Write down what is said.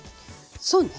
そうね。